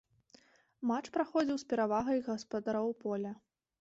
Матч праходзіў з перавагай гаспадароў поля.